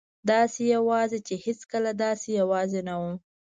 داسې یوازې چې هېڅکله داسې یوازې نه وم.